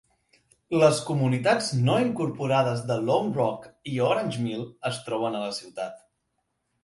Les comunitats no incorporades de Lone Rock i Orange Mill es troben a la ciutat.